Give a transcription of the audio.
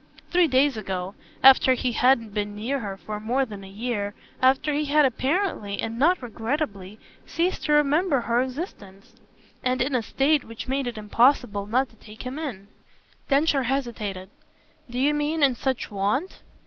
"Three days ago after he hadn't been near her for more than a year, after he had apparently, and not regrettably, ceased to remember her existence; and in a state which made it impossible not to take him in." Densher hesitated. "Do you mean in such want